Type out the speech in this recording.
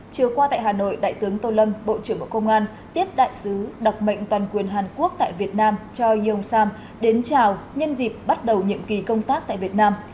chiều qua tại hà nội đại tướng tô lâm bộ trưởng bộ công an tiếp đại sứ đặc mệnh toàn quyền hàn quốc tại việt nam cho yeong sam đến chào nhân dịp bắt đầu nhiệm kỳ công tác tại việt nam